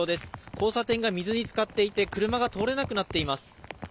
交差点が水につかっていて車が通れなくなっています。